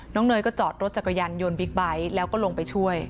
เนยก็จอดรถจักรยานยนต์บิ๊กไบท์แล้วก็ลงไปช่วย